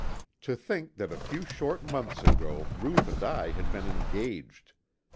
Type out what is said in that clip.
To think that a few short months ago Ruth and I had been engaged!